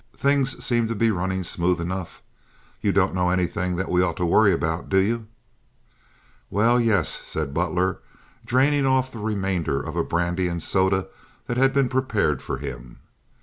"Things seem to be running smooth enough. You don't know anything that we ought to worry about, do you?" "Well, yes," said Butler, draining off the remainder of a brandy and soda that had been prepared for him.